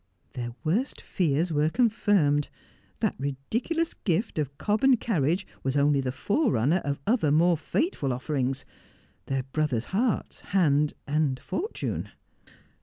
Their worst fears were confirmed. That ridiculous gift of cob and carriage was only the forerunner of other more fateful offerings ; their brother's heart, hand, and fortune.